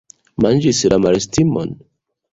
Manĝis la malestimon?